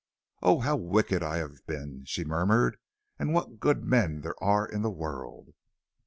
"O how wicked I have been!" she murmured. "And what good men there are in the world!"